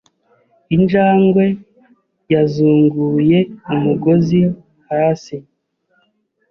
Injangwe yazunguye umugozi hasi .